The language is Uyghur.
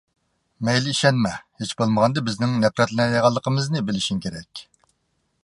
مەيلى ئىشەنمە، ھېچبولمىغاندا بىزنىڭ نەپرەتلىنەلەيدىغىنىمىزنى بىلىشىڭ كېرەك.